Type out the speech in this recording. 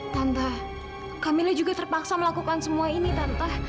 tante kamila juga terpaksa melakukan semua ini tante